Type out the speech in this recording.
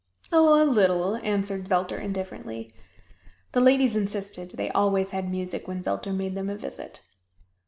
"Oh, a little!" answered Zelter indifferently. The ladies insisted they always had music when Zelter made them a visit.